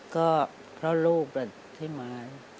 ก็เพราะลูกแหละที่มา